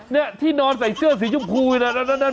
นี่ที่นอนใส่เสื้อสีชมพูอยู่นั้นแมวใช่ไหม